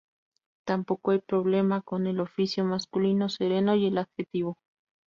Tampoco hay problema con el oficio masculino "sereno" y el adjetivo.